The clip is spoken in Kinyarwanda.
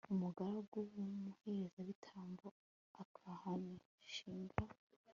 umugaragu w'umuherezabitambo akahashinga